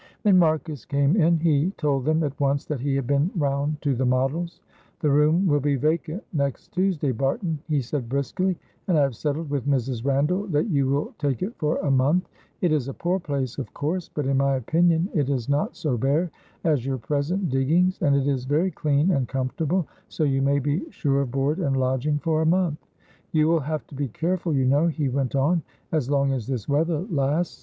When Marcus came in he told them at once that he had been round to the Models. "The room will be vacant next Tuesday, Barton," he said, briskly, "and I have settled with Mrs. Randall that you will take it for a month. It is a poor place, of course, but in my opinion it is not so bare as your present diggings, and it is very clean and comfortable, so you may be sure of board and lodging for a month. You will have to be careful, you know," he went on, "as long as this weather lasts.